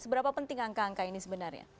seberapa penting angka angka ini sebenarnya